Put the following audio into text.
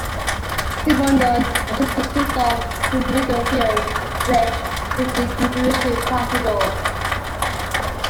Simondon also conceived of "pre-individual fields" which make individuation possible.